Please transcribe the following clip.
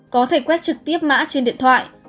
có thể quét trực tiếp mã trên điện thoại